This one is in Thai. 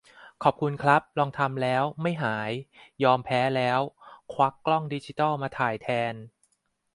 ขอบคุณครับ ลองทำแล้ว ไม่หาย : ยอมแพ้แล้ว ควักกล้องดิจิทัลมาถ่ายแทน